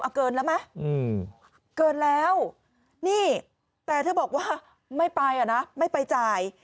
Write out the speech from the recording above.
เอาเกินแล้วไหมเกินแล้วนี่แต่เธอบอกว่าไม่ไปอ่ะนะไม่ไปจ่าย